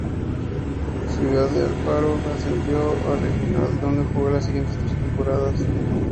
Ciudad de Alfaro descendió a regional, donde jugó las siguientes tres temporadas.